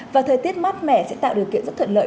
và thời tiết mát mẻ sẽ tạo điều kiện rất thuận lợi